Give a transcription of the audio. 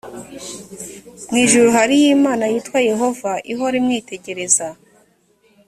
mu ijuru hariyo imana yitwa yehova ihora imwitegereza